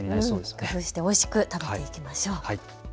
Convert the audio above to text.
工夫しておいしく食べていきましょう。